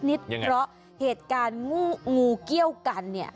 เพราะเหตุการณ์งูเกี้ยวกันเนี่ย